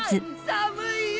寒いよ！